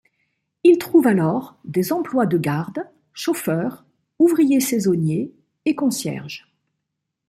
Il trouve alors des emplois de garde, chauffeur, ouvrier saisonnier et concierge.